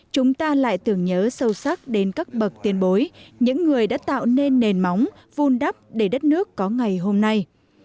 chúng ta lại tưởng nhớ sâu sắc đến các bậc tiền bối những người đã tạo nên nền móng vun đắp để đất nước có ngày hôm nay